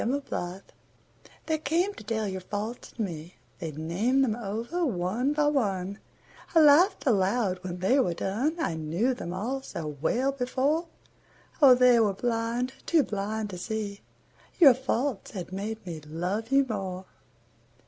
Faults They came to tell your faults to me, They named them over one by one; I laughed aloud when they were done, I knew them all so well before, Oh, they were blind, too blind to see Your faults had made me love you more.